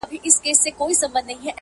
چي د ښارونو جنازې وژاړم!!